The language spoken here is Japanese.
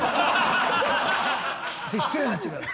失礼になっちゃうから。